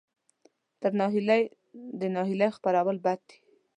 تر ناهیلۍ د ناهیلۍ خپرول بد دي.